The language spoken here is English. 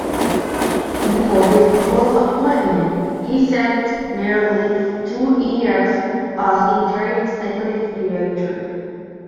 Before his full appointment, he served nearly two years as interim Executive Director.